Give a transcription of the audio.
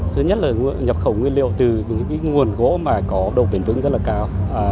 thứ nhất là nhập khẩu nguyên liệu từ những nguồn gỗ mà có độ bền vững rất là cao